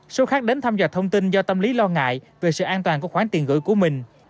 số khác đến thăm dò thông tin do tâm lý lo ngại về sự an toàn của khoản tiền gửi của mình